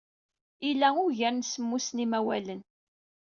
Ila ugar n semmus n yimawalen.